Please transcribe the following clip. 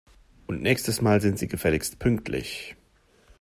Und nächstes Mal sind Sie gefälligst pünktlich!